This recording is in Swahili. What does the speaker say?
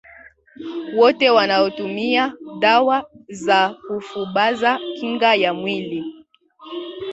Wote wanaotumia dawa za kufubaza kinga ya mwili